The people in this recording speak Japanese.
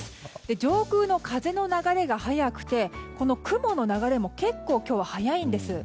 上空の風の流れが速くてこの雲の流れも結構、今日は速いんです。